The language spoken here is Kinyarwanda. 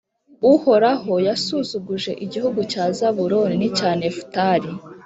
Uhoraho yasuzuguje igihugu cya Zabuloni n’icya Nefutali,